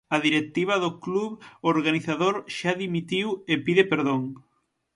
A directiva do club organizador xa dimitiu e pide perdón.